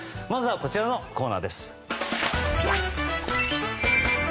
まずは、こちらのコーナー。